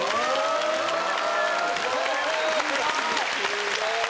すごい。